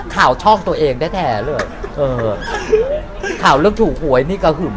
ไม่บอกได้ไหม